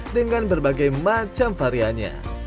dengan berbagai macam variannya